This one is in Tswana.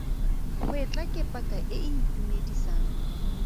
Gwetla ke paka e e itumedisang.